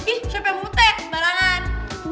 ih siapa yang mau petek barangan